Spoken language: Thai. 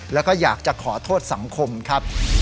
แล้วก็อยากจะขอโทษสังคมครับ